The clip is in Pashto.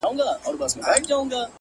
گوره ځوانـيمـرگ څه ښـه وايــي ـ